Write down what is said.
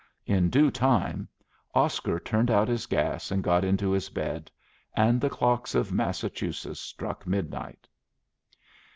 In due time Oscar turned out his gas and got into his bed; and the clocks of Massachusetts struck midnight.